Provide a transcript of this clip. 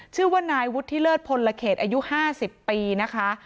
ชื่อว่านายวุฒิเลิศพลเขตอายุ๕๐ปีนะคะ